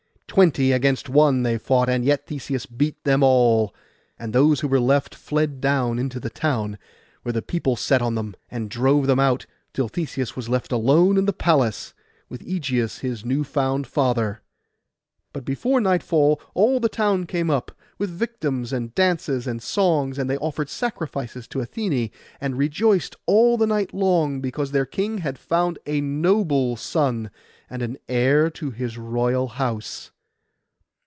Twenty against one they fought, and yet Theseus beat them all; and those who were left fled down into the town, where the people set on them, and drove them out, till Theseus was left alone in the palace, with Ægeus his new found father. But before nightfall all the town came up, with victims, and dances, and songs; and they offered sacrifices to Athené, and rejoiced all the night long, because their king had found a noble son, and an heir to his royal house.